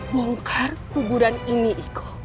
bongkar kuburan ini iko